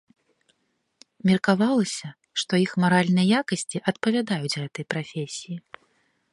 Меркавалася, што іх маральныя якасці адпавядаюць гэтай прафесіі.